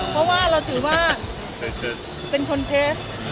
เพราะว่าเราถือว่าเป็นคอนเทส